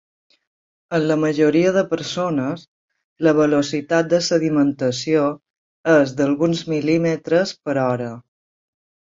En la majoria de persones, la velocitat de sedimentació és d'alguns mil·límetres per hora.